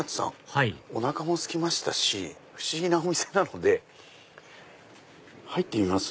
はいおなかもすきましたし不思議なお店なので入ってみます？